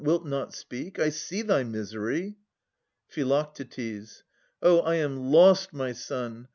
Wilt not speak ? I see thy misery. Phi. Oh ! I am lost, my son